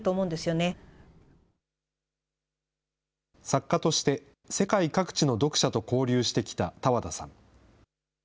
作家として世界各地の読者と交流してきた多和田さん。